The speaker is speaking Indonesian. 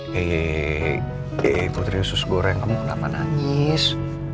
hei putri usus goreng kamu kenapa nangis